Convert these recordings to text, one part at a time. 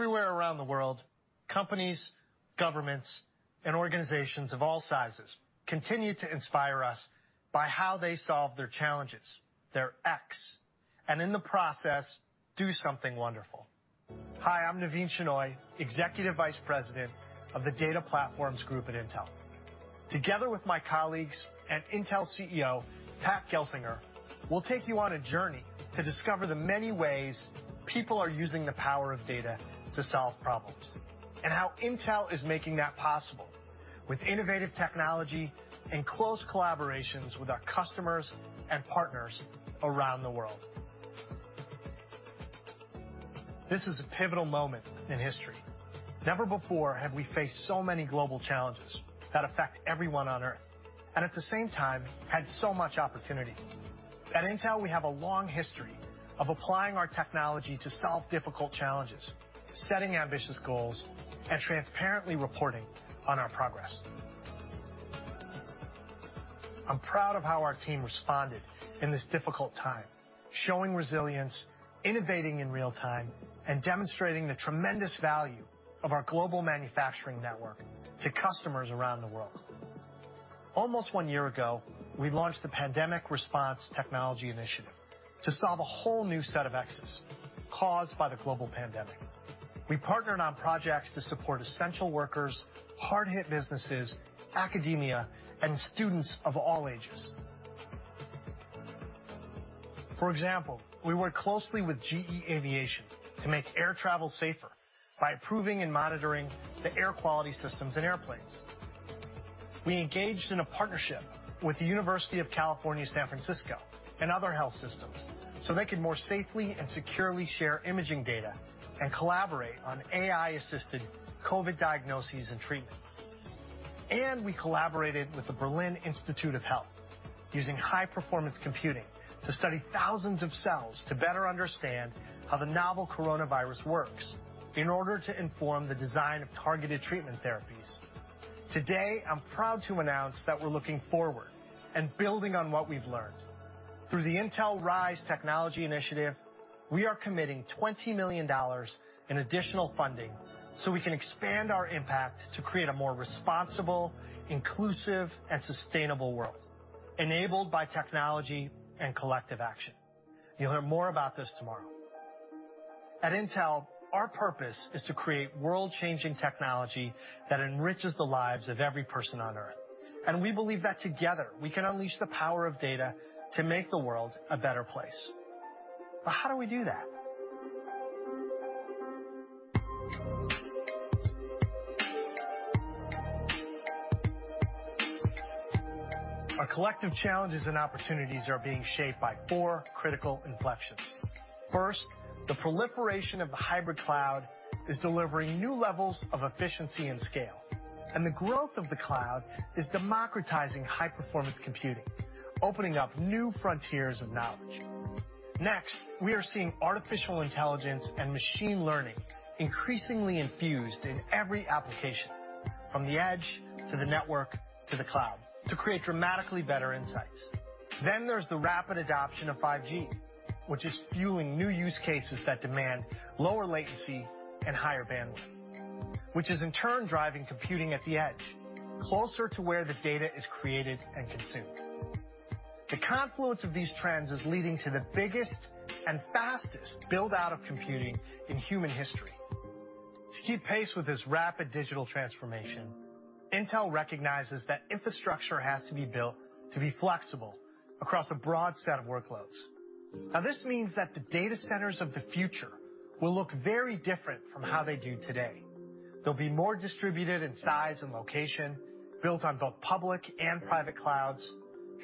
Everywhere around the world, companies, governments, and organizations of all sizes continue to inspire us by how they solve their challenges, their X, and in the process, do something wonderful. Hi, I'm Navin Shenoy, Executive Vice President of the Data Platforms Group at Intel. Together with my colleagues and Intel CEO, Pat Gelsinger, we'll take you on a journey to discover the many ways people are using the power of data to solve problems, and how Intel is making that possible with innovative technology and close collaborations with our customers and partners around the world. This is a pivotal moment in history. Never before have we faced so many global challenges that affect everyone on Earth, and at the same time, had so much opportunity. At Intel, we have a long history of applying our technology to solve difficult challenges, setting ambitious goals, and transparently reporting on our progress. I'm proud of how our team responded in this difficult time, showing resilience, innovating in real time, and demonstrating the tremendous value of our global manufacturing network to customers around the world. Almost one year ago, we launched the Pandemic Response Technology Initiative to solve a whole new set of X's caused by the global pandemic. We partnered on projects to support essential workers, hard-hit businesses, academia, and students of all ages. For example, we worked closely with GE Aviation to make air travel safer by improving and monitoring the air quality systems in airplanes. We engaged in a partnership with the University of California, San Francisco, and other health systems so they could more safely and securely share imaging data and collaborate on AI-assisted COVID diagnoses and treatment. We collaborated with the Berlin Institute of Health, using high-performance computing to study thousands of cells to better understand how the novel coronavirus works in order to inform the design of targeted treatment therapies. Today, I'm proud to announce that we're looking forward and building on what we've learned. Through the Intel RISE Technology Initiative, we are committing $20 million in additional funding so we can expand our impact to create a more responsible, inclusive, and sustainable world, enabled by technology and collective action. You'll hear more about this tomorrow. At Intel, our purpose is to create world-changing technology that enriches the lives of every person on Earth, and we believe that together, we can unleash the power of data to make the world a better place. How do we do that? Our collective challenges and opportunities are being shaped by four critical inflections. First, the proliferation of the hybrid cloud is delivering new levels of efficiency and scale. The growth of the cloud is democratizing high-performance computing, opening up new frontiers of knowledge. Next, we are seeing artificial intelligence and machine learning increasingly infused in every application, from the edge, to the network, to the cloud, to create dramatically better insights. There's the rapid adoption of 5G, which is fueling new use cases that demand lower latency and higher bandwidth, which is in turn driving computing at the edge closer to where the data is created and consumed. The confluence of these trends is leading to the biggest and fastest build-out of computing in human history. To keep pace with this rapid digital transformation, Intel recognizes that infrastructure has to be built to be flexible across a broad set of workloads. Now, this means that the data centers of the future will look very different from how they do today. They'll be more distributed in size and location, built on both public and private clouds.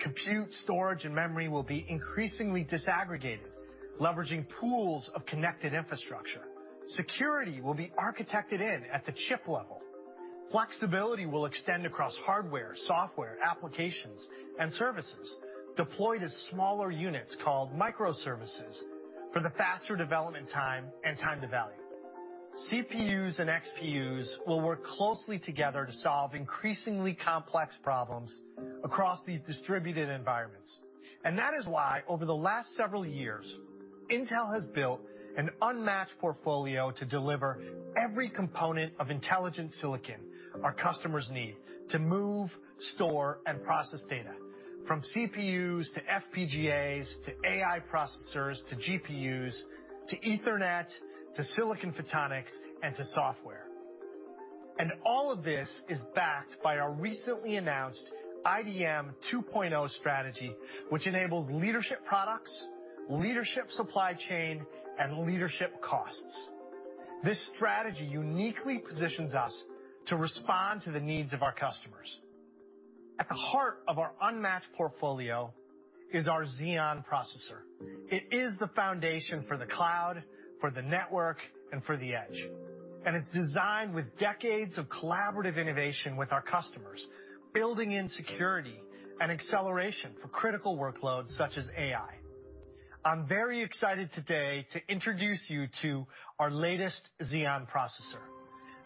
Compute storage and memory will be increasingly disaggregated, leveraging pools of connected infrastructure. Security will be architected in at the chip level. Flexibility will extend across hardware, software, applications, and services deployed as smaller units called microservices for the faster development time and time to value. CPUs and XPUs will work closely together to solve increasingly complex problems across these distributed environments. That is why, over the last several years, Intel has built an unmatched portfolio to deliver every component of intelligent silicon our customers need to move, store, and process data, from CPUs to FPGAs, to AI processors, to GPUs, to Ethernet, to silicon photonics, and to software. All of this is backed by our recently announced IDM 2.0 strategy, which enables leadership products, leadership supply chain, and leadership costs. This strategy uniquely positions us to respond to the needs of our customers. At the heart of our unmatched portfolio is our Xeon processor. It is the foundation for the cloud, for the network, and for the edge. It's designed with decades of collaborative innovation with our customers, building in security and acceleration for critical workloads such as AI. I'm very excited today to introduce you to our latest Xeon processor.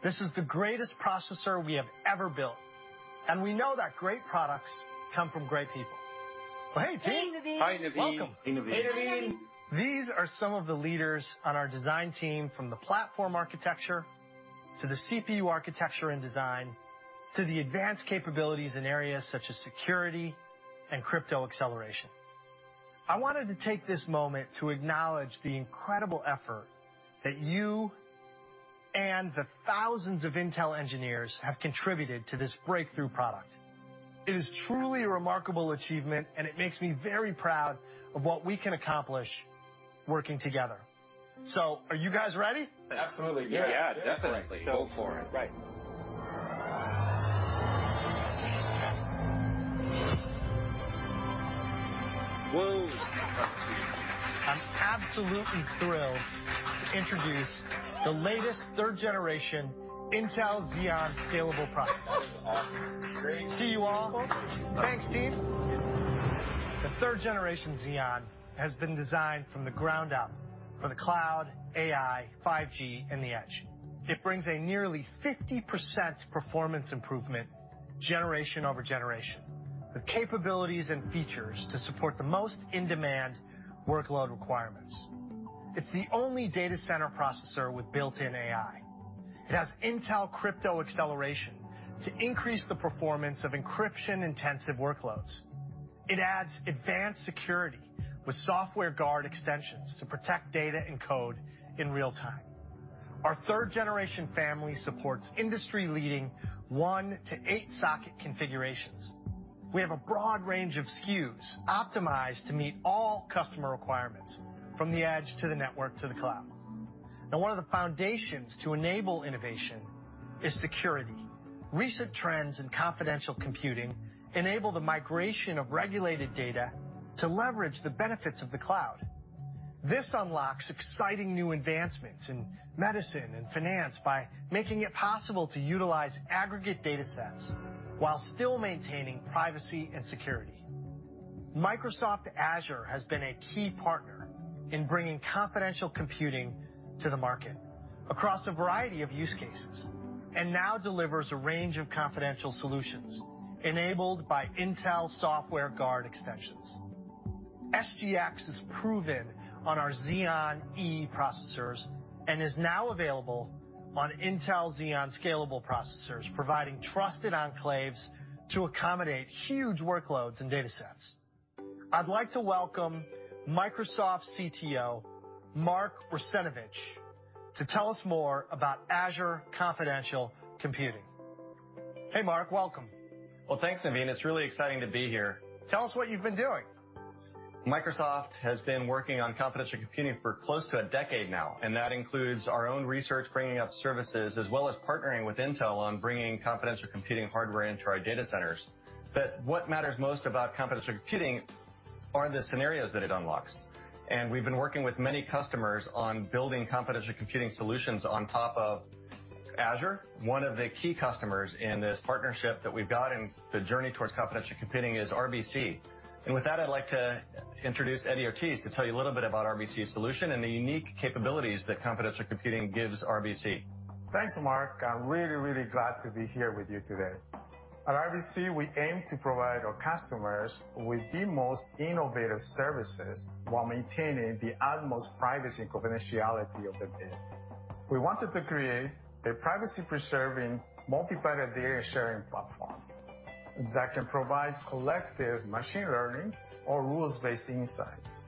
This is the greatest processor we have ever built, and we know that great products come from great people. Well, hey team. Hey, Navin. Hi, Navin. Welcome. Hey, Navin. Hi, Navin. These are some of the leaders on our design team from the platform architecture to the CPU architecture and design, to the advanced capabilities in areas such as security and crypto acceleration. I wanted to take this moment to acknowledge the incredible effort that you and the thousands of Intel engineers have contributed to this breakthrough product. It is truly a remarkable achievement, and it makes me very proud of what we can accomplish working together. Are you guys ready? Absolutely. Yeah. Yeah, definitely. Go for it. Right. Whoa. I'm absolutely thrilled to introduce the latest 3rd-generation Intel Xeon Scalable processor. Awesome. Great. See you all. Thanks, team. The third generation Xeon has been designed from the ground up for the cloud, AI, 5G, and the Edge. It brings a nearly 50% performance improvement generation over generation, with capabilities and features to support the most in-demand workload requirements. It's the only data center processor with built-in AI. It has Intel Crypto Acceleration to increase the performance of encryption-intensive workloads. It adds advanced security with Software Guard Extensions to protect data and code in real time. Our third generation family supports industry-leading one to eight socket configurations. We have a broad range of SKUs optimized to meet all customer requirements, from the Edge to the network to the cloud. Now, one of the foundations to enable innovation is security. Recent trends in confidential computing enable the migration of regulated data to leverage the benefits of the cloud. This unlocks exciting new advancements in medicine and finance by making it possible to utilize aggregate data sets, while still maintaining privacy and security. Microsoft Azure has been a key partner in bringing confidential computing to the market across a variety of use cases, and now delivers a range of confidential solutions enabled by Intel Software Guard Extensions. SGX is proven on our Xeon E processors and is now available on Intel Xeon Scalable processors, providing trusted enclaves to accommodate huge workloads and data sets. I'd like to welcome Microsoft CTO Mark Russinovich to tell us more about Azure confidential computing. Hey, Mark, welcome. Well, thanks, Navin. It's really exciting to be here. Tell us what you've been doing. Microsoft has been working on confidential computing for close to a decade now, and that includes our own research, bringing up services, as well as partnering with Intel on bringing confidential computing hardware into our data centers. What matters most about confidential computing are the scenarios that it unlocks, and we've been working with many customers on building confidential computing solutions on top of Azure. One of the key customers in this partnership that we've got in the journey towards confidential computing is RBC, and with that, I'd like to introduce Eddy Ortiz to tell you a little bit about RBC's solution and the unique capabilities that confidential computing gives RBC. Thanks, Mark. I'm really glad to be here with you today. At RBC, we aim to provide our customers with the most innovative services while maintaining the utmost privacy and confidentiality of the data. We wanted to create a privacy-preserving, multi-party data sharing platform that can provide collective machine learning or rules-based insights.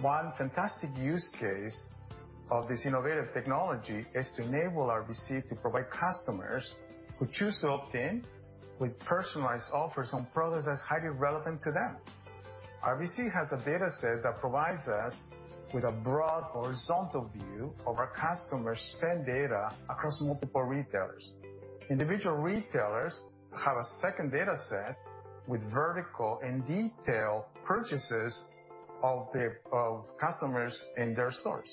One fantastic use case of this innovative technology is to enable RBC to provide customers who choose to opt in with personalized offers on products that's highly relevant to them. RBC has a data set that provides us with a broad horizontal view of our customers' spend data across multiple retailers. Individual retailers have a second data set with vertical and detailed purchases of customers in their stores.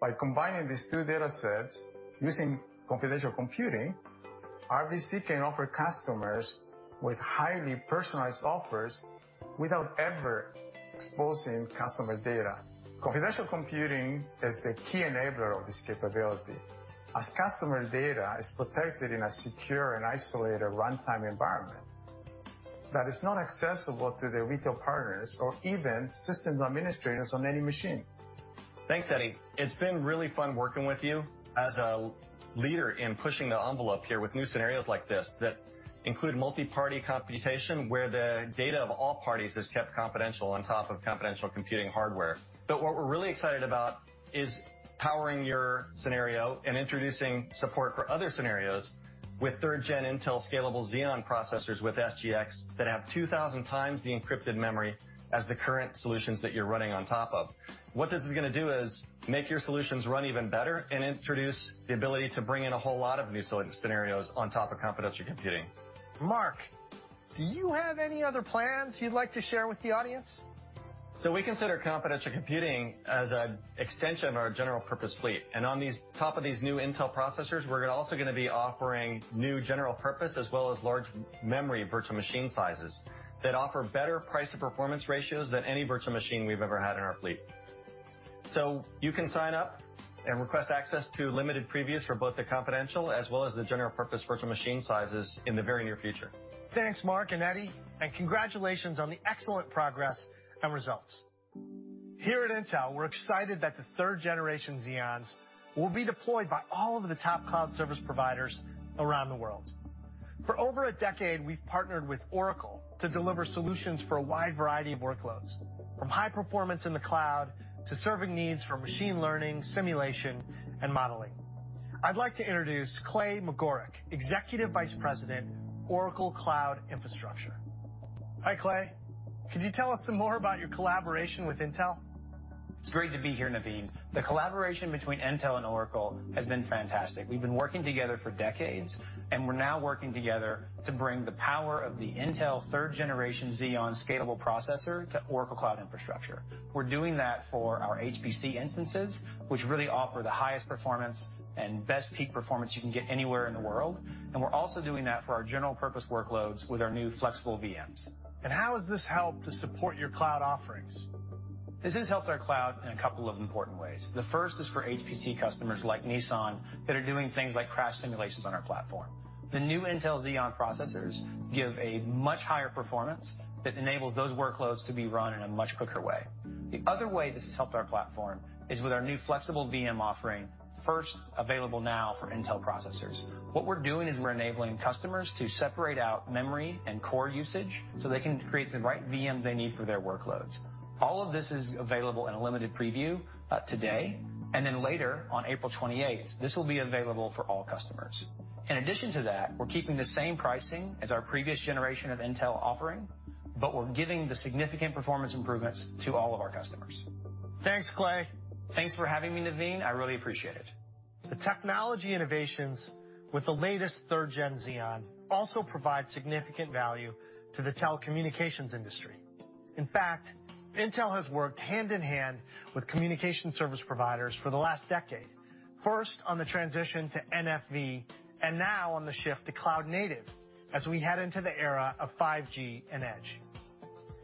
By combining these two data sets using confidential computing, RBC can offer customers with highly personalized offers without ever exposing customer data. Confidential computing is the key enabler of this capability, as customer data is protected in a secure and isolated runtime environment that is not accessible to the retail partners or even systems administrators on any machine. Thanks, Eddy. It's been really fun working with you as a leader in pushing the envelope here with new scenarios like this that include multi-party computation, where the data of all parties is kept confidential on top of confidential computing hardware. What we're really excited about is powering your scenario and introducing support for other scenarios with third-gen Intel Xeon Scalable processors with SGX that have 2,000 times the encrypted memory as the current solutions that you're running on top of. What this is going to do is make your solutions run even better and introduce the ability to bring in a whole lot of new scenarios on top of confidential computing. Mark, do you have any other plans you'd like to share with the audience? We consider confidential computing as an extension of our general purpose fleet. On top of these new Intel processors, we're also going to be offering new general purpose as well as large memory virtual machine sizes that offer better price to performance ratios than any virtual machine we've ever had in our fleet. You can sign up and request access to limited previews for both the confidential as well as the general purpose virtual machine sizes in the very near future. Thanks, Mark and Eddy, and congratulations on the excellent progress and results. Here at Intel, we're excited that the third generation Xeons will be deployed by all of the top cloud service providers around the world. For over a decade, we've partnered with Oracle to deliver solutions for a wide variety of workloads, from high performance in the cloud to serving needs for machine learning, simulation, and modeling. I'd like to introduce Clay Magouyrk, Executive Vice President, Oracle Cloud Infrastructure. Hi, Clay. Could you tell us some more about your collaboration with Intel? It's great to be here, Navin. The collaboration between Intel and Oracle has been fantastic. We've been working together for decades, and we're now working together to bring the power of the Intel third generation Xeon Scalable processor to Oracle Cloud Infrastructure. We're doing that for our HPC instances, which really offer the highest performance and best peak performance you can get anywhere in the world. We're also doing that for our general purpose workloads with our new flexible VMs. How has this helped to support your cloud offerings? This has helped our cloud in a couple of important ways. The first is for HPC customers like Nissan that are doing things like crash simulations on our platform. The new Intel Xeon processors give a much higher performance that enables those workloads to be run in a much quicker way. The other way this has helped our platform is with our new flexible VM offering, first available now for Intel processors. What we're doing is we're enabling customers to separate out memory and core usage so they can create the right VMs they need for their workloads. All of this is available in a limited preview today, and then later on April 28th, this will be available for all customers. In addition to that, we're keeping the same pricing as our previous generation of Intel offering, but we're giving the significant performance improvements to all of our customers. Thanks, Clay. Thanks for having me, Navin. I really appreciate it. The technology innovations with the latest third-gen Xeon also provide significant value to the telecommunications industry. In fact, Intel has worked hand in hand with communication service providers for the last decade. First on the transition to NFV, and now on the shift to cloud native as we head into the era of 5G and Edge.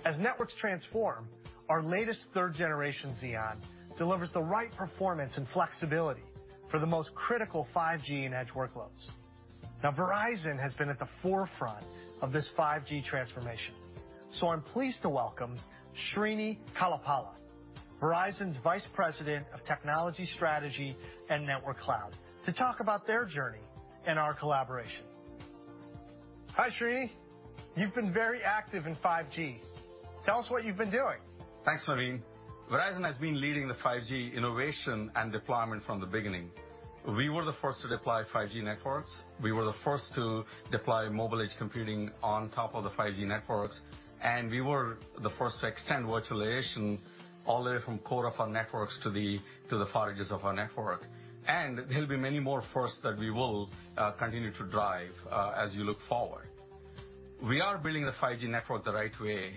As networks transform, our latest third-generation Xeon delivers the right performance and flexibility for the most critical 5G and Edge workloads. Now, Verizon has been at the forefront of this 5G transformation, so I'm pleased to welcome Srinivasa Kalapala, Verizon's Vice President of Technology Strategy and Network Cloud, to talk about their journey and our collaboration. Hi, Srini. You've been very active in 5G. Tell us what you've been doing. Thanks, Navin. Verizon has been leading the 5G innovation and deployment from the beginning. We were the first to deploy 5G networks, we were the first to deploy mobile edge computing on top of the 5G networks, and we were the first to extend virtualization all the way from core of our networks to the far edges of our network. There'll be many more firsts that we will continue to drive as you look forward. We are building the 5G network the right way.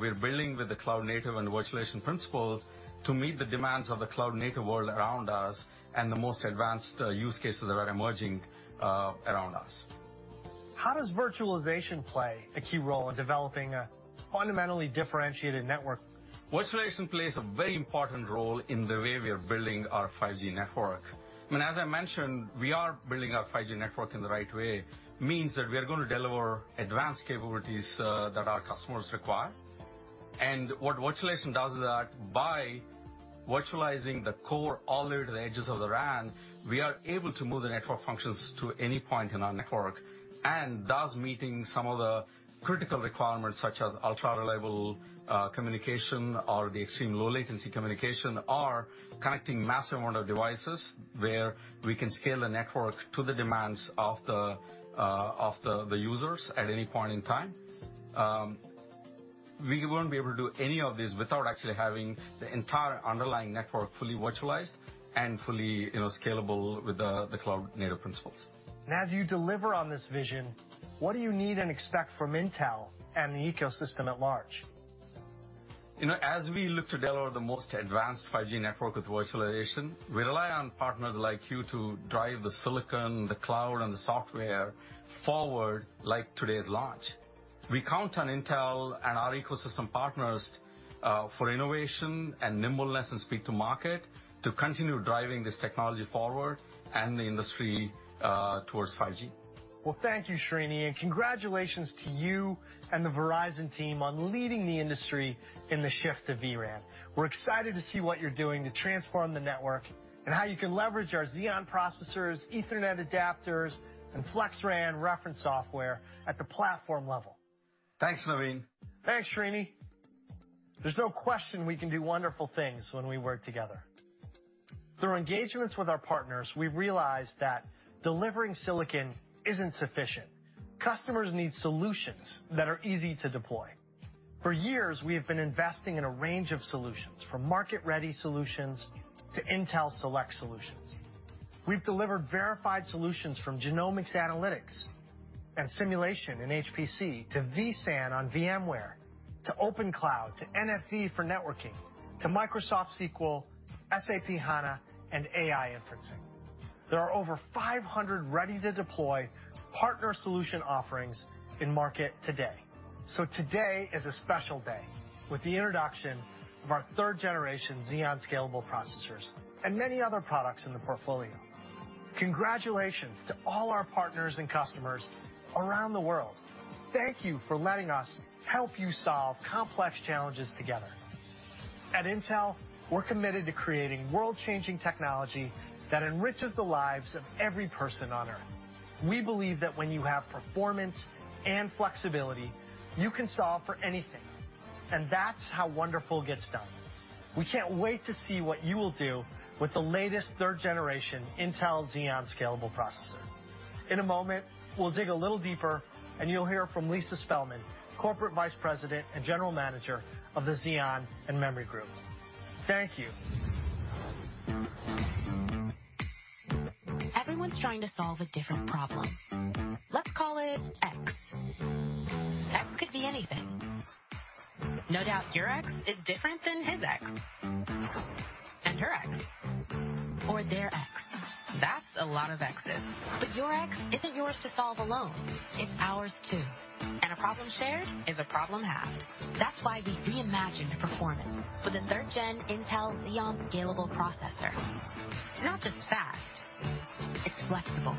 We are building with the cloud native and virtualization principles to meet the demands of the cloud native world around us and the most advanced use cases that are emerging around us. How does virtualization play a key role in developing a fundamentally differentiated network? Virtualization plays a very important role in the way we are building our 5G network. I mean, as I mentioned, we are building our 5G network in the right way. Means that we are going to deliver advanced capabilities that our customers require. What virtualization does is that by virtualizing the core all the way to the edges of the RAN, we are able to move the network functions to any point in our network, and thus meeting some of the critical requirements such as ultra-reliable communication or the extreme low latency communication are connecting massive amount of devices where we can scale the network to the demands of the users at any point in time. We won't be able to do any of this without actually having the entire underlying network fully virtualized and fully scalable with the cloud native principles. As you deliver on this vision, what do you need and expect from Intel and the ecosystem at large? As we look to deliver the most advanced 5G network with virtualization, we rely on partners like you to drive the silicon, the cloud, and the software forward, like today's launch. We count on Intel and our ecosystem partners for innovation and nimbleness and speed to market to continue driving this technology forward and the industry towards 5G. Well, thank you, Srini, and congratulations to you and the Verizon team on leading the industry in the shift to vRAN. We're excited to see what you're doing to transform the network and how you can leverage our Xeon processors, Ethernet adapters, and FlexRAN reference software at the platform level. Thanks, Navin. Thanks, Srini. There's no question we can do wonderful things when we work together. Through engagements with our partners, we realize that delivering silicon isn't sufficient. Customers need solutions that are easy to deploy. For years, we have been investing in a range of solutions, from market-ready solutions to Intel Select Solutions. We've delivered verified solutions from genomics analytics and simulation in HPC to vSAN on VMware, to Open Cloud, to NFV for networking, to Microsoft SQL, SAP HANA, and AI inferencing. There are over 500 ready-to-deploy partner solution offerings in market today. Today is a special day with the introduction of our third generation Xeon Scalable processors and many other products in the portfolio. Congratulations to all our partners and customers around the world. Thank you for letting us help you solve complex challenges together. At Intel, we're committed to creating world-changing technology that enriches the lives of every person on Earth. We believe that when you have performance and flexibility, you can solve for anything, and that's how wonderful gets done. We can't wait to see what you will do with the latest third generation Intel Xeon Scalable processor. In a moment, we'll dig a little deeper, and you'll hear from Lisa Spelman, Corporate Vice President and General Manager of the Xeon and Memory Group. Thank you. Everyone's trying to solve a different problem. Let's call it X. X could be anything. No doubt your X is different than his X, and your X, or their X. That's a lot of X's. Your X isn't yours to solve alone. It's ours too, and a problem shared is a problem halved. That's why we reimagined performance with a third-gen Intel Xeon Scalable processor. It's not just fast, it's flexible,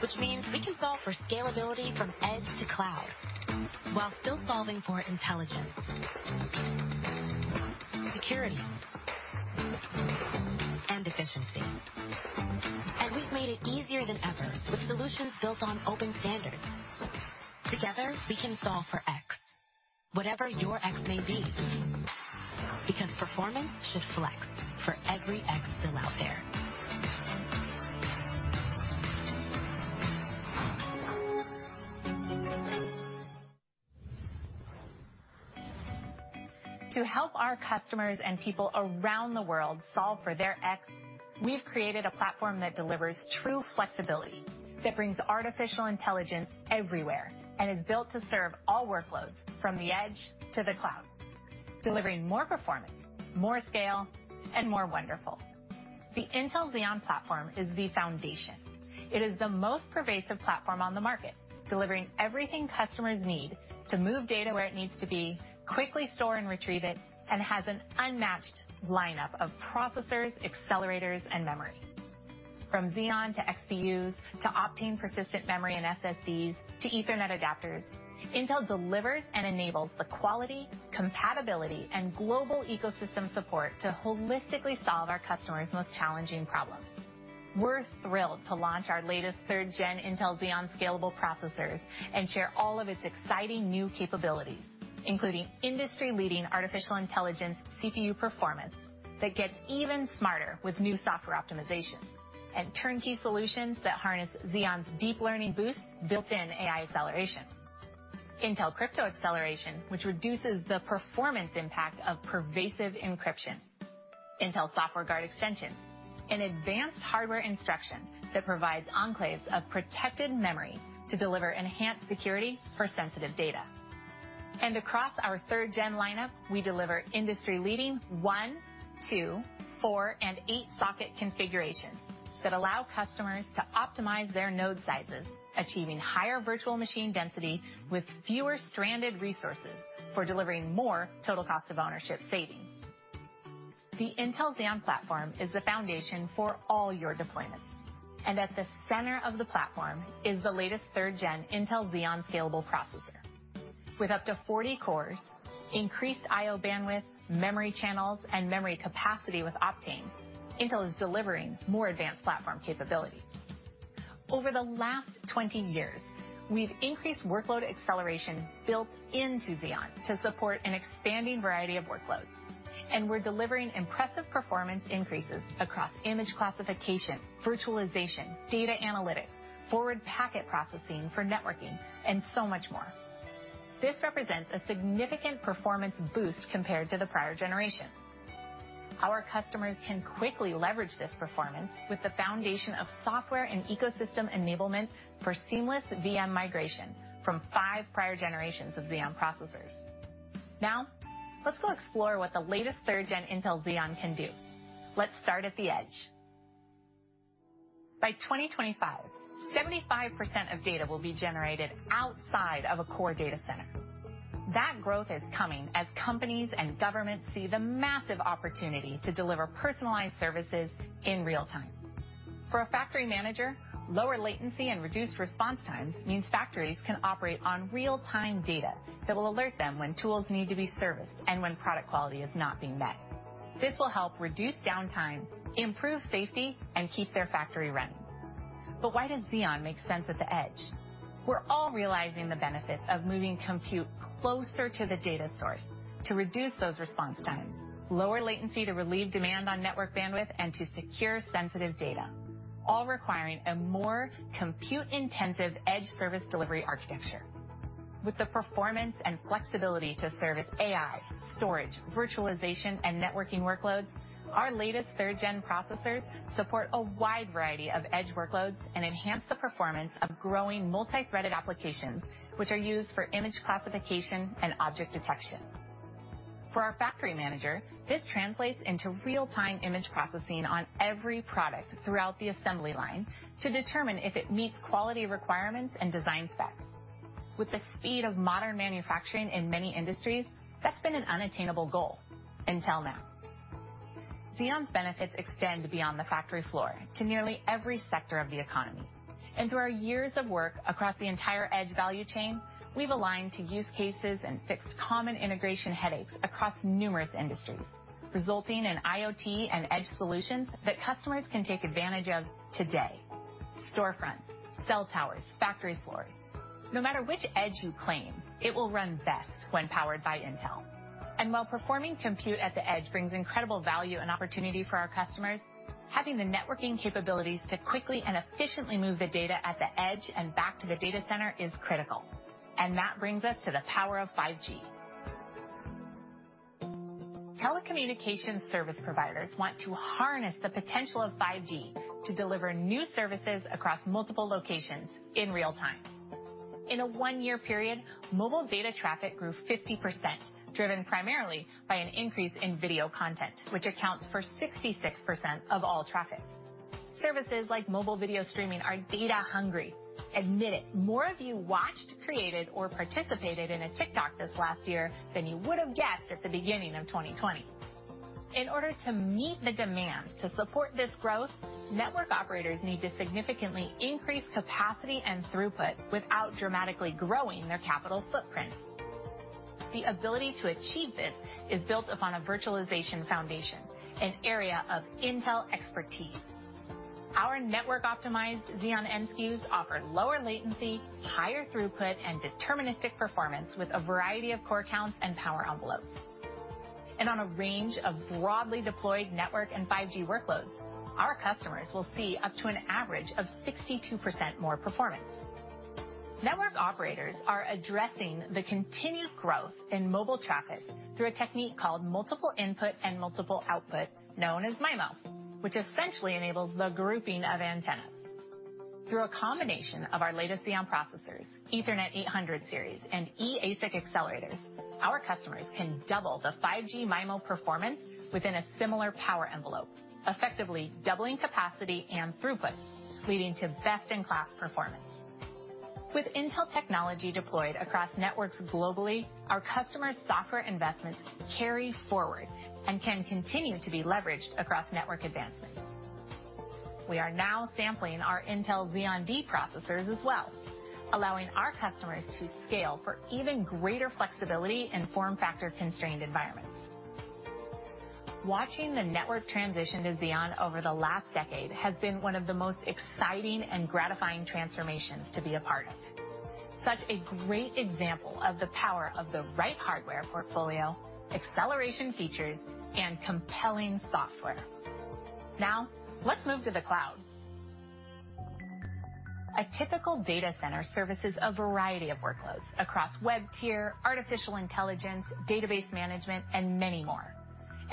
which means we can solve for scalability from edge to cloud, while still solving for intelligence, security, and efficiency. We've made it easier than ever with solutions built on open standards. Together, we can solve for X, whatever your X may be, because performance should flex for every X still out there. To help our customers and people around the world solve for their X, we've created a platform that delivers true flexibility, that brings artificial intelligence everywhere, and is built to serve all workloads from the edge to the cloud, delivering more performance, more scale, and more wonderful. The Intel Xeon platform is the foundation. It is the most pervasive platform on the market, delivering everything customers need to move data where it needs to be, quickly store and retrieve it, and has an unmatched lineup of processors, accelerators, and memory. From Xeon, to XPUs, to Optane persistent memory and SSDs, to Ethernet adapters, Intel delivers and enables the quality, compatibility, and global ecosystem support to holistically solve our customers' most challenging problems. We're thrilled to launch our latest third-gen Intel Xeon Scalable processors and share all of its exciting new capabilities, including industry-leading artificial intelligence CPU performance that gets even smarter with new software optimization and turnkey solutions that harness Xeon's Deep Learning Boost built-in AI acceleration. Intel Crypto Acceleration, which reduces the performance impact of pervasive encryption. Intel Software Guard Extensions, an advanced hardware instruction that provides enclaves of protected memory to deliver enhanced security for sensitive data. Across our third-gen lineup, we deliver industry-leading one, two, four, and eight-socket configurations that allow customers to optimize their node sizes, achieving higher virtual machine density with fewer stranded resources, for delivering more total cost of ownership savings. The Intel Xeon platform is the foundation for all your deployments, and at the center of the platform is the latest third-gen Intel Xeon Scalable processor. With up to 40 cores, increased IO bandwidth, memory channels, and memory capacity with Optane, Intel is delivering more advanced platform capabilities. Over the last 20 years, we've increased workload acceleration built into Xeon to support an expanding variety of workloads, and we're delivering impressive performance increases across image classification, virtualization, data analytics, forward packet processing for networking, and so much more. This represents a significant performance boost compared to the prior generation. Our customers can quickly leverage this performance with the foundation of software and ecosystem enablement for seamless VM migration from five prior generations of Xeon processors. Let's go explore what the latest 3rd-gen Intel Xeon can do. Let's start at the edge. By 2025, 75% of data will be generated outside of a core data center. That growth is coming as companies and governments see the massive opportunity to deliver personalized services in real time. For a factory manager, lower latency and reduced response times means factories can operate on real-time data that will alert them when tools need to be serviced and when product quality is not being met. This will help reduce downtime, improve safety, and keep their factory running. Why does Xeon make sense at the edge? We're all realizing the benefits of moving compute closer to the data source to reduce those response times, lower latency to relieve demand on network bandwidth, and to secure sensitive data, all requiring a more compute-intensive edge service delivery architecture. With the performance and flexibility to service AI, storage, virtualization, and networking workloads, our latest 3rd-gen processors support a wide variety of edge workloads and enhance the performance of growing multithreaded applications, which are used for image classification and object detection. For our factory manager, this translates into real-time image processing on every product throughout the assembly line to determine if it meets quality requirements and design specs. With the speed of modern manufacturing in many industries, that's been an unattainable goal until now. Xeon's benefits extend beyond the factory floor to nearly every sector of the economy. Through our years of work across the entire edge value chain, we've aligned to use cases and fixed common integration headaches across numerous industries, resulting in IoT and edge solutions that customers can take advantage of today. Storefronts, cell towers, factory floors. No matter which edge you claim, it will run best when powered by Intel. While performing compute at the edge brings incredible value and opportunity for our customers, having the networking capabilities to quickly and efficiently move the data at the edge and back to the data center is critical. That brings us to the power of 5G. Telecommunication service providers want to harness the potential of 5G to deliver new services across multiple locations in real time. In a one-year period, mobile data traffic grew 50%, driven primarily by an increase in video content, which accounts for 66% of all traffic. Services like mobile video streaming are data hungry. Admit it, more of you watched, created, or participated in a TikTok this last year than you would have guessed at the beginning of 2020. In order to meet the demands to support this growth, network operators need to significantly increase capacity and throughput without dramatically growing their capital footprint. The ability to achieve this is built upon a virtualization foundation, an area of Intel expertise. Our network-optimized Xeon N SKUs offer lower latency, higher throughput, and deterministic performance with a variety of core counts and power envelopes. On a range of broadly deployed network and 5G workloads, our customers will see up to an average of 62% more performance. Network operators are addressing the continued growth in mobile traffic through a technique called multiple input and multiple output, known as MIMO, which essentially enables the grouping of antennas. Through a combination of our latest Xeon processors, Intel Ethernet 800 Series, and eASIC accelerators, our customers can double the 5G MIMO performance within a similar power envelope, effectively doubling capacity and throughput, leading to best-in-class performance. With Intel technology deployed across networks globally, our customers' software investments carry forward and can continue to be leveraged across network advancements. We are now sampling our Intel Xeon D processors as well, allowing our customers to scale for even greater flexibility in form factor-constrained environments. Watching the network transition to Xeon over the last decade has been one of the most exciting and gratifying transformations to be a part of. Such a great example of the power of the right hardware portfolio, acceleration features, and compelling software. Now, let's move to the cloud. A typical data center services a variety of workloads across web tier, artificial intelligence, database management, and many more.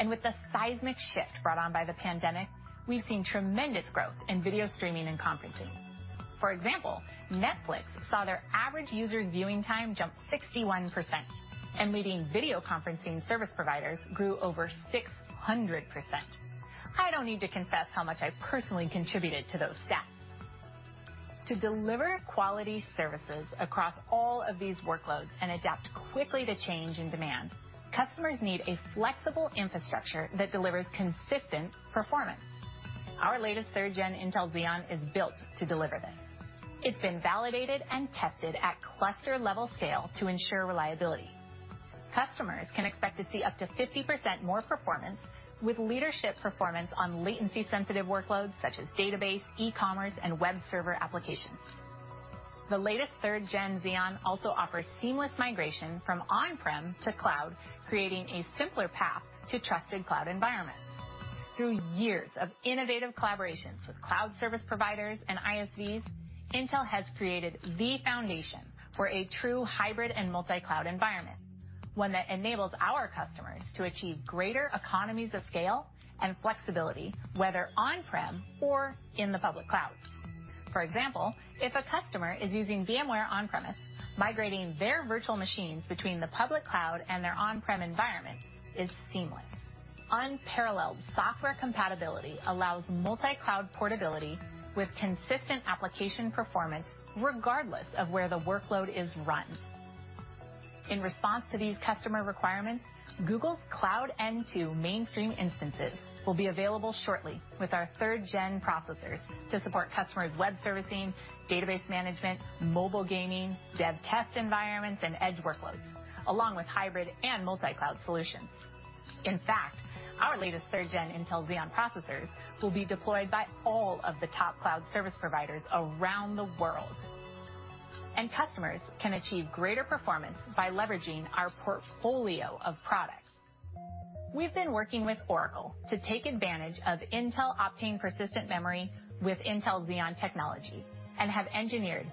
With the seismic shift brought on by the pandemic, we've seen tremendous growth in video streaming and conferencing. For example, Netflix saw their average user viewing time jump 61%, and leading video conferencing service providers grew over 600%. I don't need to confess how much I personally contributed to those stats. To deliver quality services across all of these workloads and adapt quickly to change in demand, customers need a flexible infrastructure that delivers consistent performance. Our latest 3rd Gen Intel Xeon is built to deliver this. It's been validated and tested at cluster-level scale to ensure reliability. Customers can expect to see up to 50% more performance with leadership performance on latency-sensitive workloads such as database, e-commerce, and web server applications. The latest 3rd Gen Xeon also offers seamless migration from on-prem to cloud, creating a simpler path to trusted cloud environments. Through years of innovative collaborations with cloud service providers and ISVs, Intel has created the foundation for a true hybrid and multi-cloud environment, one that enables our customers to achieve greater economies of scale and flexibility, whether on-prem or in the public cloud. For example, if a customer is using VMware on-premise, migrating their virtual machines between the public cloud and their on-prem environment is seamless. Unparalleled software compatibility allows multi-cloud portability with consistent application performance regardless of where the workload is run. In response to these customer requirements, Google Cloud N2 mainstream instances will be available shortly with our 3rd Gen processors to support customers' web servicing, database management, mobile gaming, dev test environments, and edge workloads, along with hybrid and multi-cloud solutions. In fact, our latest 3rd Gen Intel Xeon processors will be deployed by all of the top cloud service providers around the world. Customers can achieve greater performance by leveraging our portfolio of products. We've been working with Oracle to take advantage of Intel Optane persistent memory with Intel Xeon technology and have engineered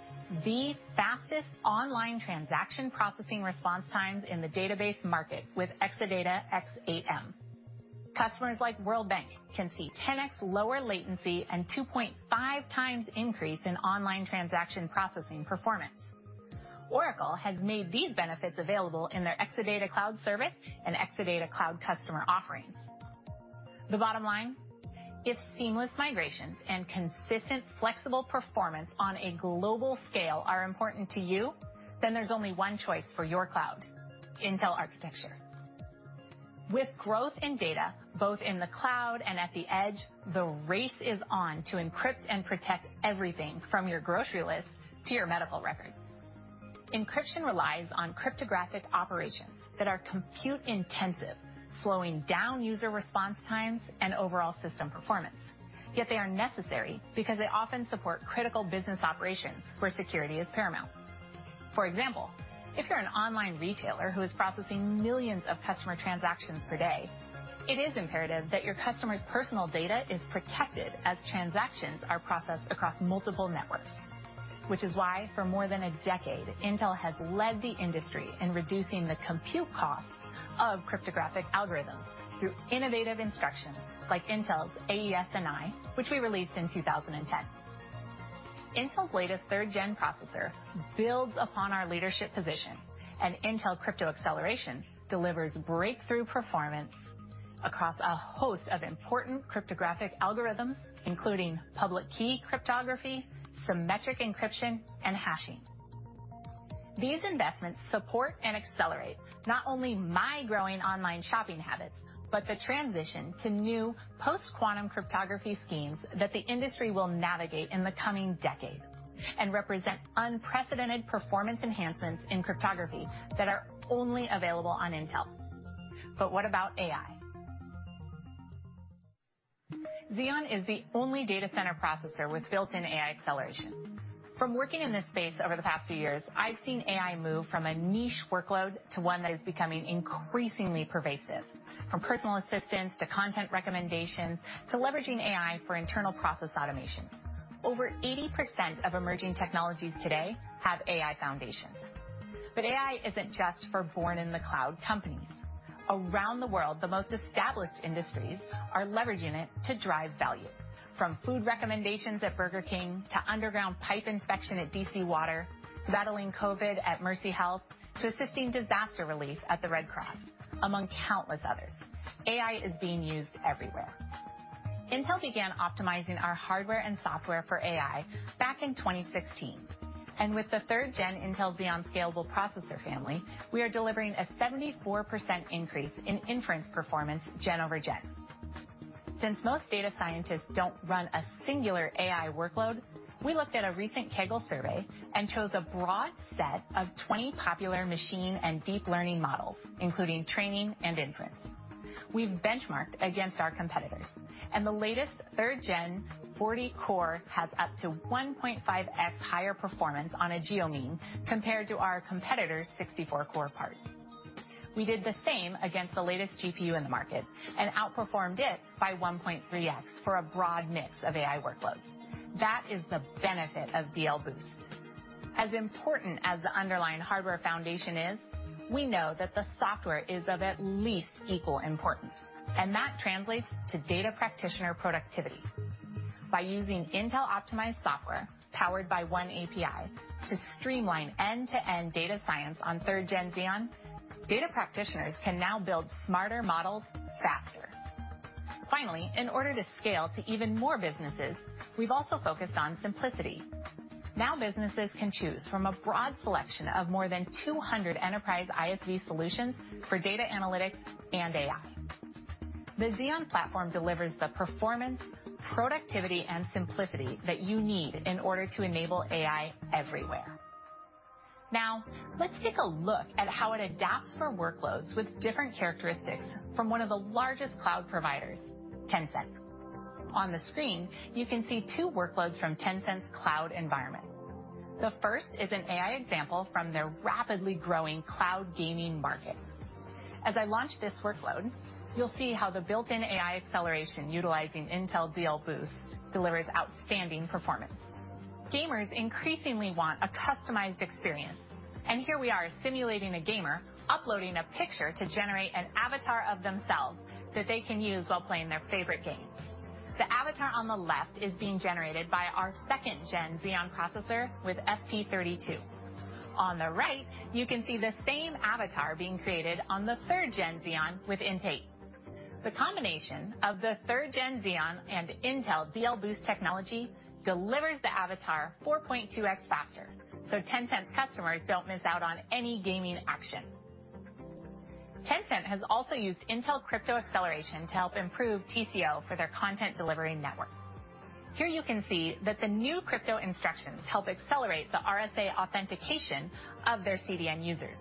the fastest online transaction processing response times in the database market with Exadata X8M. Customers like World Bank can see 10x lower latency and 2.5x increase in online transaction processing performance. Oracle has made these benefits available in their Exadata Cloud Service and Exadata Cloud customer offerings. The bottom line, if seamless migrations and consistent, flexible performance on a global scale are important to you, then there's only one choice for your cloud, Intel architecture. With growth in data, both in the cloud and at the edge, the race is on to encrypt and protect everything from your grocery list to your medical records. Encryption relies on cryptographic operations that are compute-intensive, slowing down user response times and overall system performance. Yet they are necessary because they often support critical business operations where security is paramount. For example, if you're an online retailer who is processing millions of customer transactions per day, it is imperative that your customers' personal data is protected as transactions are processed across multiple networks. Which is why for more than a decade, Intel has led the industry in reducing the compute costs of cryptographic algorithms through innovative instructions like Intel's AES-NI, which we released in 2010. Intel's latest 3rd Gen processor builds upon our leadership position, and Intel Crypto Acceleration delivers breakthrough performance across a host of important cryptographic algorithms, including public key cryptography, symmetric encryption, and hashing. These investments support and accelerate not only my growing online shopping habits, but the transition to new post-quantum cryptography schemes that the industry will navigate in the coming decade and represent unprecedented performance enhancements in cryptography that are only available on Intel. What about AI? Xeon is the only data center processor with built-in AI acceleration. From working in this space over the past few years, I've seen AI move from a niche workload to one that is becoming increasingly pervasive, from personal assistants to content recommendations, to leveraging AI for internal process automation. Over 80% of emerging technologies today have AI foundations. AI isn't just for born-in-the-cloud companies. Around the world, the most established industries are leveraging it to drive value, from food recommendations at Burger King to underground pipe inspection at D.C. Water, to battling COVID at Mercy Health, to assisting disaster relief at the Red Cross, among countless others. AI is being used everywhere. Intel began optimizing our hardware and software for AI back in 2016. With the 3rd Gen Intel Xeon Scalable processor family, we are delivering a 74% increase in inference performance gen-over-gen. Since most data scientists don't run a singular AI workload, we looked at a recent Kaggle survey and chose a broad set of 20 popular machine and deep learning models, including training and inference. We've benchmarked against our competitors, the latest 3rd Gen 40 Core has up to 1.5X higher performance on a geo mean compared to our competitor's 64 core part. We did the same against the latest GPU in the market and outperformed it by 1.3X for a broad mix of AI workloads. That is the benefit of DL Boost. As important as the underlying hardware foundation is, we know that the software is of at least equal importance, and that translates to data practitioner productivity. By using Intel optimized software powered by oneAPI to streamline end-to-end data science on 3rd Gen Xeon, data practitioners can now build smarter models faster. Finally, in order to scale to even more businesses, we've also focused on simplicity. Now businesses can choose from a broad selection of more than 200 enterprise ISV solutions for data analytics and AI. The Xeon platform delivers the performance, productivity, and simplicity that you need in order to enable AI everywhere. Let's take a look at how it adapts for workloads with different characteristics from one of the largest cloud providers, Tencent. On the screen, you can see two workloads from Tencent's cloud environment. The first is an AI example from their rapidly growing cloud gaming market. As I launch this workload, you'll see how the built-in AI acceleration utilizing Intel DL Boost delivers outstanding performance. Gamers increasingly want a customized experience, and here we are simulating a gamer uploading a picture to generate an avatar of themselves that they can use while playing their favorite games. The avatar on the left is being generated by our 2nd Gen Xeon processor with FP32. On the right, you can see the same avatar being created on the 3rd Gen Xeon with Intel. The combination of the 3rd Gen Xeon and Intel DL Boost technology delivers the avatar 4.2X faster, so Tencent's customers don't miss out on any gaming action. Tencent has also used Intel Crypto Acceleration to help improve TCO for their content delivery networks. Here you can see that the new crypto instructions help accelerate the RSA authentication of their CDN users.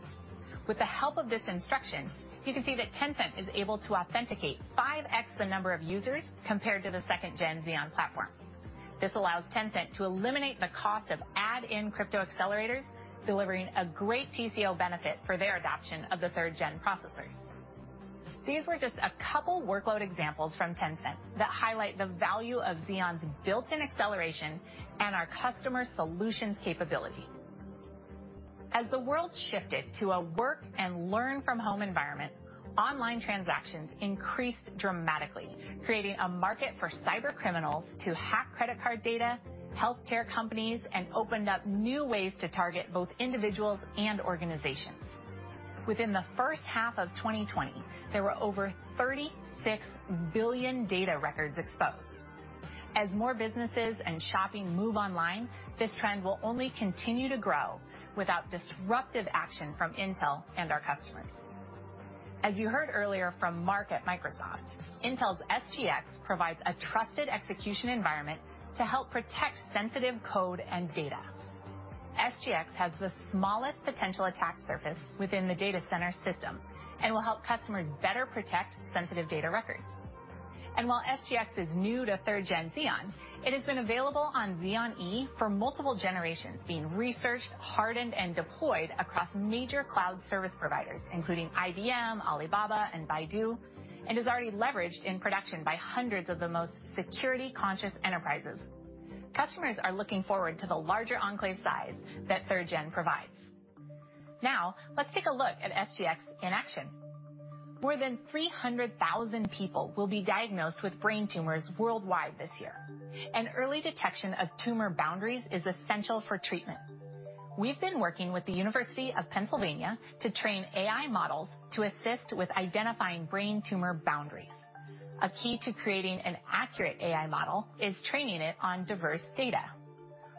With the help of this instruction, you can see that Tencent is able to authenticate 5X the number of users compared to the 2nd Gen Xeon platform. This allows Tencent to eliminate the cost of add-in crypto accelerators, delivering a great TCO benefit for their adoption of the 3rd Gen processors. These were just a couple workload examples from Tencent that highlight the value of Xeon's built-in acceleration and our customer solutions capability. As the world shifted to a work and learn from home environment, online transactions increased dramatically, creating a market for cyber criminals to hack credit card data, healthcare companies, and opened up new ways to target both individuals and organizations. Within the first half of 2020, there were over 36 billion data records exposed. As more businesses and shopping move online, this trend will only continue to grow without disruptive action from Intel and our customers. As you heard earlier from Mark at Microsoft, Intel's SGX provides a trusted execution environment to help protect sensitive code and data. SGX has the smallest potential attack surface within the data center system and will help customers better protect sensitive data records. While SGX is new to 3rd Gen Xeon, it has been available on Xeon E for multiple generations, being researched, hardened, and deployed across major cloud service providers, including IBM, Alibaba, and Baidu, and is already leveraged in production by hundreds of the most security-conscious enterprises. Customers are looking forward to the larger enclave size that 3rd Gen provides. Let's take a look at SGX in action. More than 300,000 people will be diagnosed with brain tumors worldwide this year. An early detection of tumor boundaries is essential for treatment. We've been working with the University of Pennsylvania to train AI models to assist with identifying brain tumor boundaries. A key to creating an accurate AI model is training it on diverse data.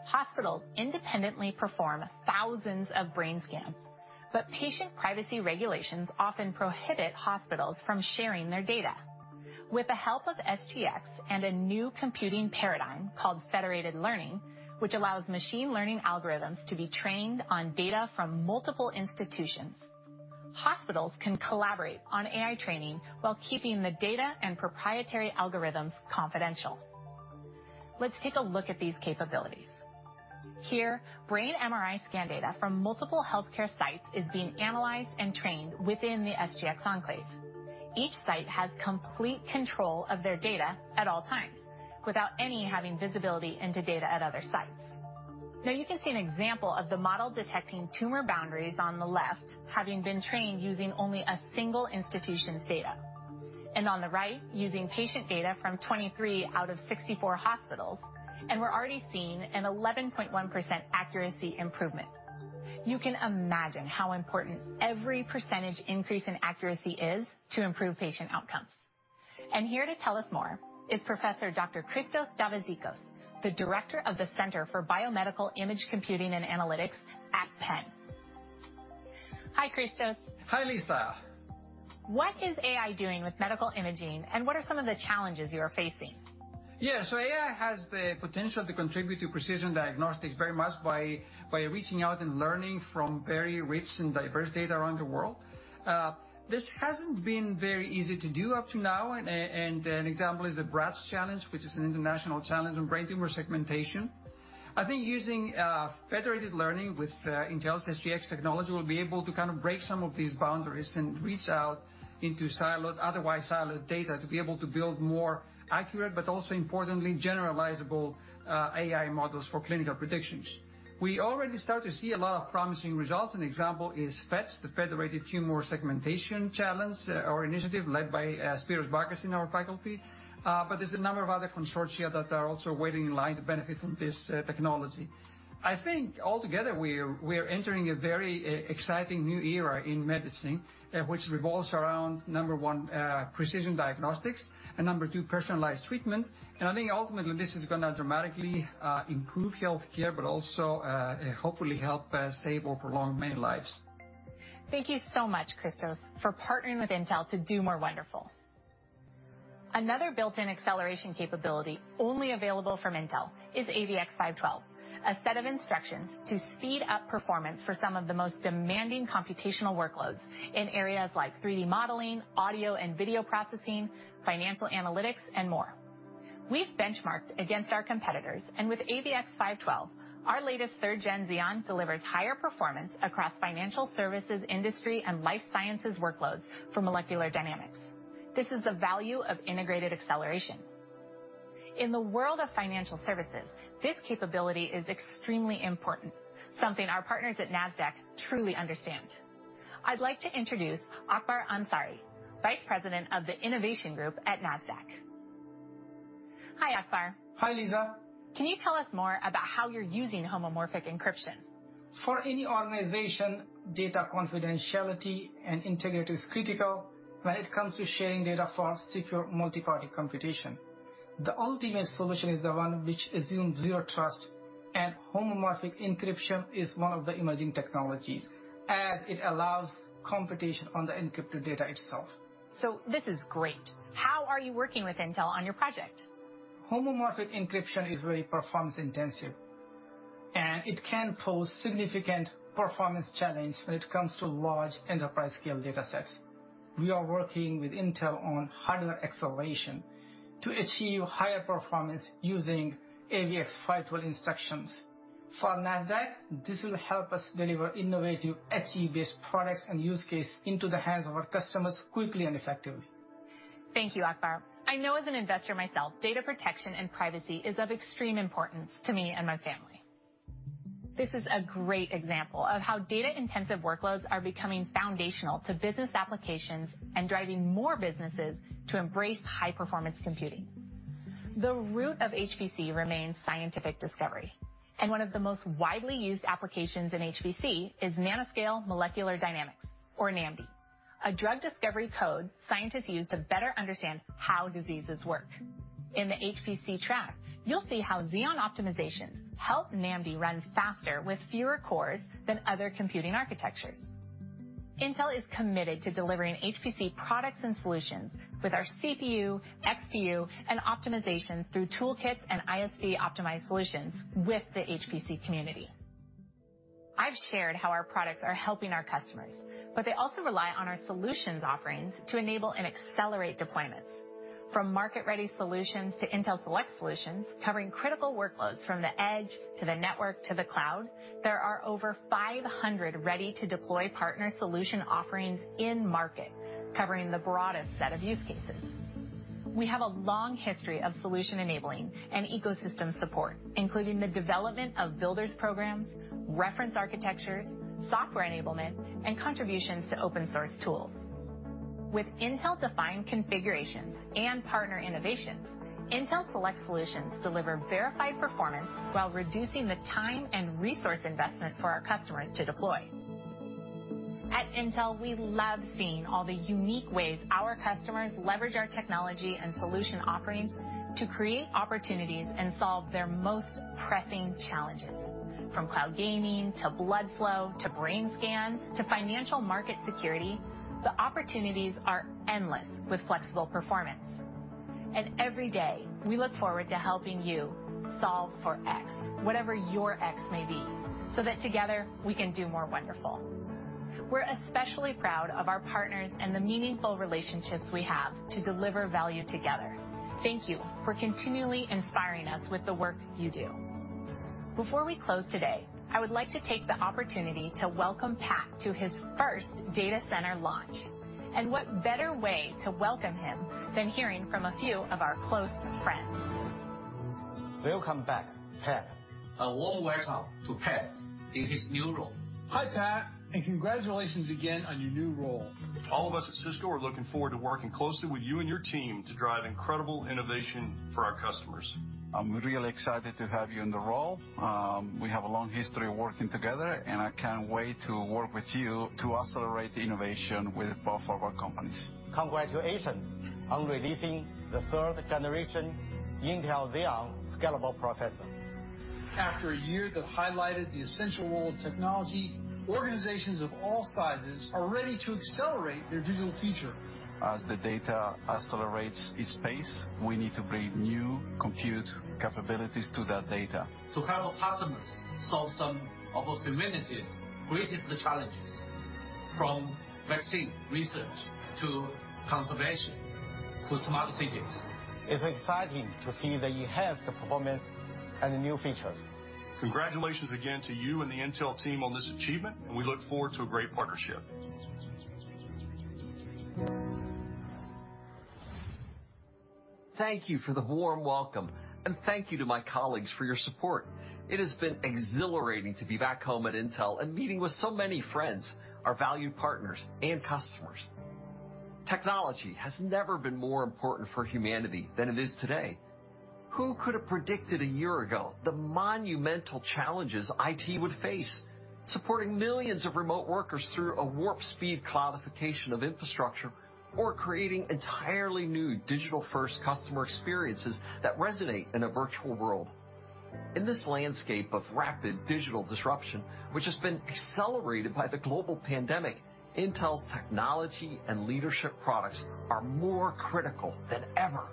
Hospitals independently perform thousands of brain scans, patient privacy regulations often prohibit hospitals from sharing their data. With the help of SGX and a new computing paradigm called federated learning, which allows machine learning algorithms to be trained on data from multiple institutions, hospitals can collaborate on AI training while keeping the data and proprietary algorithms confidential. Let's take a look at these capabilities. Here, brain MRI scan data from multiple healthcare sites is being analyzed and trained within the SGX enclave. Each site has complete control of their data at all times, without any having visibility into data at other sites. Now you can see an example of the model detecting tumor boundaries on the left, having been trained using only a single institution's data. On the right, using patient data from 23 out of 64 hospitals, and we're already seeing an 11.1% accuracy improvement. You can imagine how important every percentage increase in accuracy is to improve patient outcomes. Here to tell us more is Professor Dr. Christos Davatzikos, the Director of the Center for Biomedical Image Computing and Analytics at Penn. Hi, Christos. Hi, Lisa. What is AI doing with medical imaging, and what are some of the challenges you are facing? AI has the potential to contribute to precision diagnostics very much by reaching out and learning from very rich and diverse data around the world. This hasn't been very easy to do up to now, and an example is a BraTS Challenge, which is an international challenge on brain tumor segmentation. I think using federated learning with Intel's SGX technology, we'll be able to kind of break some of these boundaries and reach out into otherwise siloed data to be able to build more accurate, but also importantly generalizable, AI models for clinical predictions. We already start to see a lot of promising results. An example is FeTS, the Federated Tumor Segmentation challenge or initiative led by Spyridon Bakas in our faculty. There's a number of other consortia that are also waiting in line to benefit from this technology. I think altogether, we are entering a very exciting new era in medicine, which revolves around, number 1, precision diagnostics and number 2, personalized treatment. I think ultimately this is going to dramatically improve healthcare, but also, hopefully help save or prolong many lives. Thank you so much, Christos, for partnering with Intel to do more wonderful. Another built-in acceleration capability only available from Intel is AVX-512, a set of instructions to speed up performance for some of the most demanding computational workloads in areas like 3D modeling, audio and video processing, financial analytics, and more. With AVX-512, our latest 3rd Gen Xeon delivers higher performance across financial services, industry, and life sciences workloads for molecular dynamics. This is the value of integrated acceleration. In the world of financial services, this capability is extremely important, something our partners at Nasdaq truly understand. I'd like to introduce Akbar Ansari, Vice President of the Innovation Group at Nasdaq. Hi, Akbar. Hi, Lisa. Can you tell us more about how you're using homomorphic encryption? For any organization, data confidentiality and integrity is critical when it comes to sharing data for secure multi-party computation. The ultimate solution is the one which assumes zero trust and homomorphic encryption is one of the emerging technologies, as it allows computation on the encrypted data itself. This is great. How are you working with Intel on your project? Homomorphic encryption is very performance intensive, and it can pose significant performance challenge when it comes to large enterprise-scale datasets. We are working with Intel on hardware acceleration to achieve higher performance using AVX-512 instructions. For Nasdaq, this will help us deliver innovative HE-based products and use case into the hands of our customers quickly and effectively. Thank you, Akbar. I know as an investor myself, data protection and privacy is of extreme importance to me and my family. This is a great example of how data-intensive workloads are becoming foundational to business applications and driving more businesses to embrace high-performance computing. The root of HPC remains scientific discovery. One of the most widely used applications in HPC is Nanoscale Molecular Dynamics, or NAMD, a drug discovery code scientists use to better understand how diseases work. In the HPC track, you'll see how Xeon optimizations help NAMD run faster with fewer cores than other computing architectures. Intel is committed to delivering HPC products and solutions with our CPU, XPU, and optimization through toolkits and ISV optimized solutions with the HPC community. I've shared how our products are helping our customers. They also rely on our solutions offerings to enable and accelerate deployments. From market-ready solutions to Intel Select Solutions, covering critical workloads from the edge to the network to the cloud, there are over 500 ready-to-deploy partner solution offerings in market, covering the broadest set of use cases. We have a long history of solution enabling and ecosystem support, including the development of builders programs, reference architectures, software enablement, and contributions to open source tools. With Intel-defined configurations and partner innovations, Intel Select Solutions deliver verified performance while reducing the time and resource investment for our customers to deploy. At Intel, we love seeing all the unique ways our customers leverage our technology and solution offerings to create opportunities and solve their most pressing challenges. From cloud gaming to blood flow, to brain scans, to financial market security, the opportunities are endless with flexible performance. Every day, we look forward to helping you solve for X, whatever your X may be, so that together we can do more wonderful. We're especially proud of our partners and the meaningful relationships we have to deliver value together. Thank you for continually inspiring us with the work you do. Before we close today, I would like to take the opportunity to welcome Pat to his first data center launch. What better way to welcome him than hearing from a few of our close friends. Welcome back, Pat. A warm welcome to Pat in his new role. Hi, Pat, and congratulations again on your new role. All of us at Cisco are looking forward to working closely with you and your team to drive incredible innovation for our customers. I'm really excited to have you in the role. We have a long history of working together, and I can't wait to work with you to accelerate innovation with both of our companies. Congratulations on releasing the third generation Intel Xeon Scalable processor. After a year that highlighted the essential role of technology, organizations of all sizes are ready to accelerate their digital future. As the data accelerates its pace, we need to bring new compute capabilities to that data. To help our customers solve some of humanity's greatest challenges, from vaccine research to conservation to smart cities. It's exciting to see the enhanced performance and new features. Congratulations again to you and the Intel team on this achievement, and we look forward to a great partnership. Thank you for the warm welcome, and thank you to my colleagues for your support. It has been exhilarating to be back home at Intel and meeting with so many friends, our valued partners, and customers. Technology has never been more important for humanity than it is today. Who could have predicted a year ago the monumental challenges IT would face supporting millions of remote workers through a warp speed cloudification of infrastructure or creating entirely new digital first customer experiences that resonate in a virtual world? In this landscape of rapid digital disruption, which has been accelerated by the global pandemic, Intel's technology and leadership products are more critical than ever.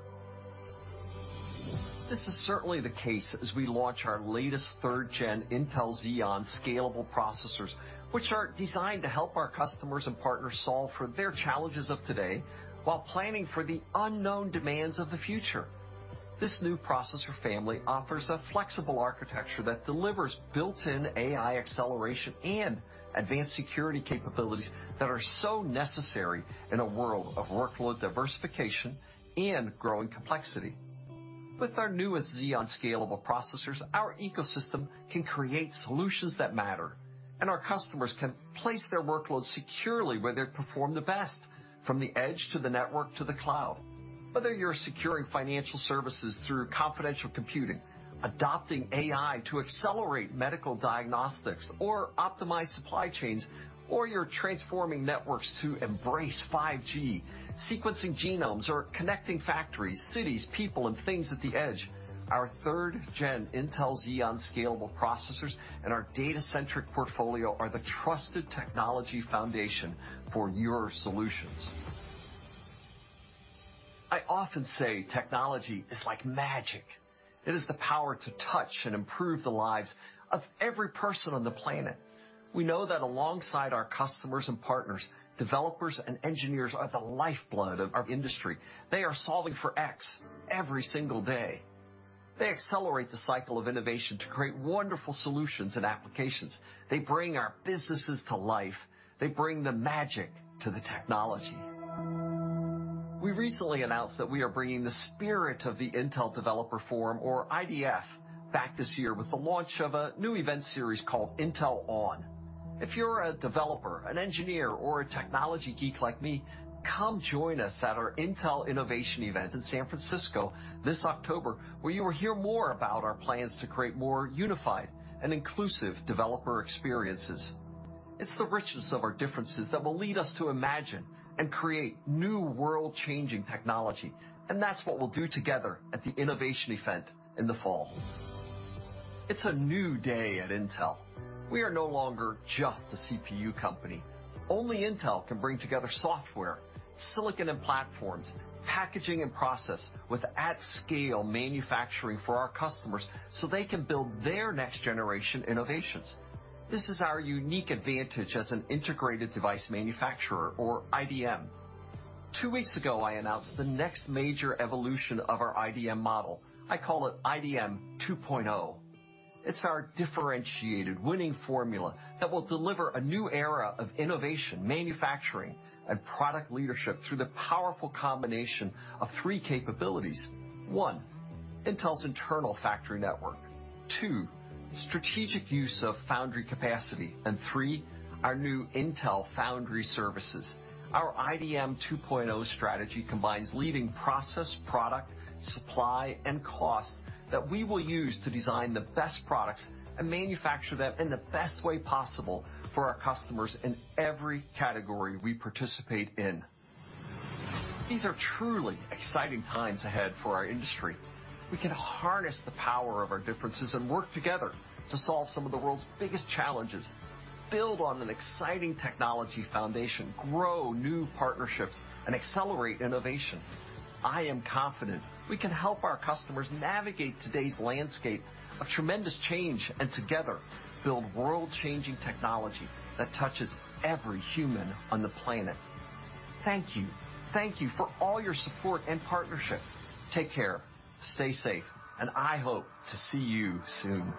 This is certainly the case as we launch our latest 3rd Gen Intel Xeon Scalable processors, which are designed to help our customers and partners solve for their challenges of today while planning for the unknown demands of the future. This new processor family offers a flexible architecture that delivers built-in AI acceleration and advanced security capabilities that are so necessary in a world of workload diversification and growing complexity. With our newest Xeon Scalable processors, our ecosystem can create solutions that matter, and our customers can place their workloads securely where they perform the best, from the edge to the network to the cloud. Whether you're securing financial services through confidential computing, adopting AI to accelerate medical diagnostics or optimize supply chains, or you're transforming networks to embrace 5G, sequencing genomes, or connecting factories, cities, people, and things at the edge, our 3rd Gen Intel Xeon Scalable processors and our data-centric portfolio are the trusted technology foundation for your solutions. I often say technology is like magic. It has the power to touch and improve the lives of every person on the planet. We know that alongside our customers and partners, developers and engineers are the lifeblood of our industry. They are solving for X every single day. They accelerate the cycle of innovation to create wonderful solutions and applications. They bring our businesses to life. They bring the magic to the technology. We recently announced that we are bringing the spirit of the Intel Developer Forum, or IDF, back this year with the launch of a new event series called Intel ON. If you're a developer, an engineer, or a technology geek like me, come join us at our Intel Innovation Event in San Francisco this October, where you will hear more about our plans to create more unified and inclusive developer experiences. It's the richness of our differences that will lead us to imagine and create new world-changing technology, and that's what we'll do together at the Innovation Event in the fall. It's a new day at Intel. We are no longer just a CPU company. Only Intel can bring together software, silicon and platforms, packaging and process, with at-scale manufacturing for our customers so they can build their next-generation innovations. This is our unique advantage as an integrated device manufacturer, or IDM. Two weeks ago, I announced the next major evolution of our IDM model. I call it IDM 2.0. It's our differentiated winning formula that will deliver a new era of innovation, manufacturing, and product leadership through the powerful combination of three capabilities. One, Intel's internal factory network. Two, strategic use of foundry capacity, and three, our new Intel Foundry Services. Our IDM 2.0 strategy combines leading process, product, supply, and cost that we will use to design the best products and manufacture them in the best way possible for our customers in every category we participate in. These are truly exciting times ahead for our industry. We can harness the power of our differences and work together to solve some of the world's biggest challenges, build on an exciting technology foundation, grow new partnerships, and accelerate innovation. I am confident we can help our customers navigate today's landscape of tremendous change, and together, build world-changing technology that touches every human on the planet. Thank you. Thank you for all your support and partnership. Take care, stay safe, and I hope to see you soon.